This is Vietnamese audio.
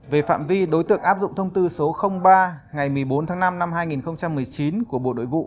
về phạm vi đối tượng áp dụng thông tư số ba ngày một mươi bốn tháng năm năm hai nghìn một mươi chín của bộ nội vụ